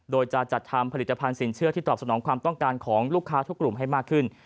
โดยจะจัดทำผลิตภัณฑ์สินเชื่อที่ตอบสนองความต้องการของลูกค้าทุกกลุ่มให้มากขึ้น